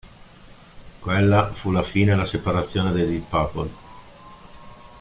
Quella fu la fine e la separazione dei Deep Purple.